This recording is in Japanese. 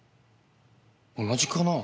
同じかなぁ？